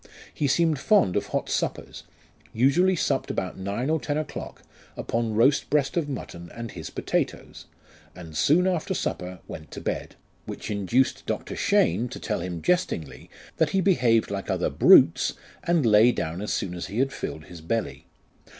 He seemed fond of hot suppers, usually supped about nine or ten o'clock, upon roast breast of mutton and his potatoes, and soon after supper went to bed ; which induced Dr. Cheyne to tell him jestingly, that he behaved like other brutes, and lay down as soon as he had filled his belly.